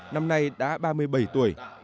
năm nay đã ba mươi bảy tuổi